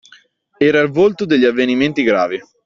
Era il volto degli avvenimenti gravi.